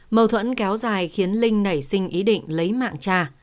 mâu thuẫn kéo dài khiến linh nảy sinh ý định lấy mạng trà